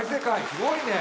すごいね。